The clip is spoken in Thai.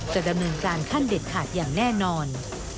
จะดำเนินการขั้นเด็ดขาดอย่างแน่นอน